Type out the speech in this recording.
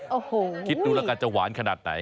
โอ้โหคิดดูแล้วกันจะหวานขนาดไหน